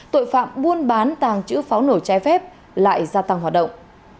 tội phạm buôn bán tàng trữ pháo nổ che phép lại gia tăng hoạt động